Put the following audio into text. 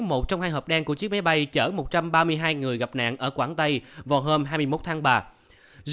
một trong hai hợp đen của chiếc máy bay chở một trăm ba mươi hai người gặp nạn ở quảng tây vào hôm hai mươi một tháng ba